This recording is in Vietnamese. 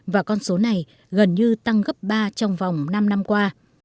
và con số này gần như tăng gấp ba trong vòng năm năm qua